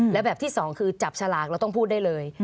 และแบบที่สองคือจับฉลากเราต้องพูดได้เลย